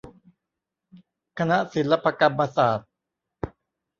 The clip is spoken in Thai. คณะศิลปกรรมศาสตร์